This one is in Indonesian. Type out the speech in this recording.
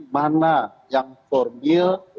mana yang formil